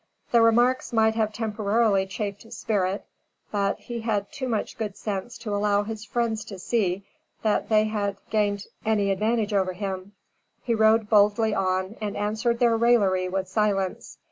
The remarks might have temporarily chafed his spirit; but, he had too much good sense to allow his friends to see that they had gained any advantage over him. He rode boldly on, and answered their raillery with silence.